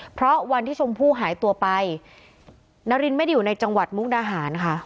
เพราะวันที่ชมพู่หายตัวไปนารินไม่ได้อยู่ในจังหวัดมุกดาหารค่ะ